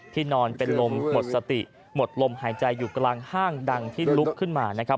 นอนเป็นลมหมดสติหมดลมหายใจอยู่กลางห้างดังที่ลุกขึ้นมานะครับ